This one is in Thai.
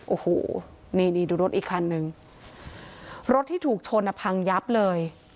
โอ้โหนี่นี่ดูรถอีกคันนึงรถที่ถูกชนอ่ะพังยับเลย